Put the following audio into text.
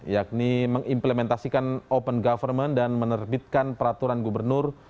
yakni mengimplementasikan open government dan menerbitkan peraturan gubernur